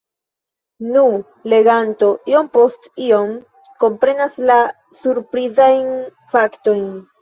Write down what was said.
Nu, la leganto iom post iom komprenas la surprizajn faktojn.